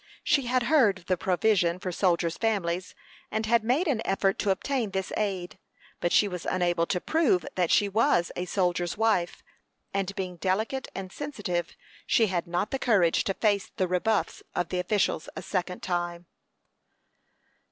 She had heard of the provision for soldiers' families, and had made an effort to obtain this aid; but she was unable to prove that she was a soldier's wife, and being delicate and sensitive, she had not the courage to face the rebuffs of the officials a second time.